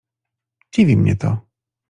Dziwi mnie to.